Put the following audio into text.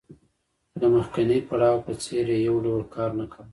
خو د مخکیني پړاو په څېر یې یو ډول کار نه کاوه